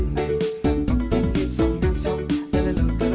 nhưng cũng cho những người khác